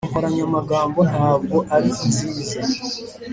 iyi nkoranyamagambo ntabwo ari nziza.